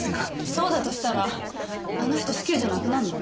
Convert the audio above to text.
そうだとしたらあの人死刑じゃなくなるの？